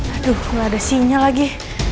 aduh nggak ada sinyal lagi